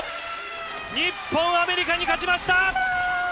日本、アメリカに勝ちました！